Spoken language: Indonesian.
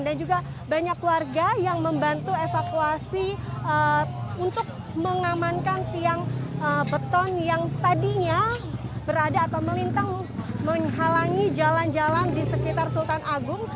dan juga banyak warga yang membantu evakuasi untuk mengamankan tiang beton yang tadinya berada atau melintang menghalangi jalan jalan di sekitar sultan agung